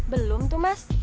belum tuh mas